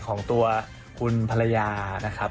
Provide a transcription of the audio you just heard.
ของตัวคุณภรรยานะครับ